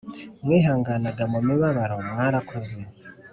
mwihanganaga mu mibabaro mwarakoze